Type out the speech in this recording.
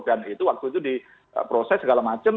dan itu waktu itu diproses segala macem